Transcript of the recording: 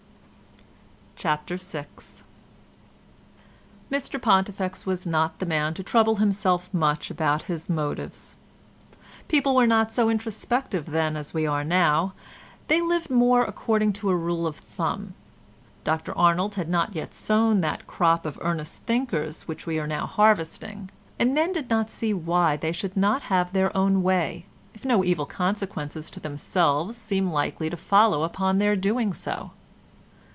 CHAPTER VI Mr Pontifex was not the man to trouble himself much about his motives. People were not so introspective then as we are now; they lived more according to a rule of thumb. Dr Arnold had not yet sown that crop of earnest thinkers which we are now harvesting, and men did not see why they should not have their own way if no evil consequences to themselves seemed likely to follow upon their doing so.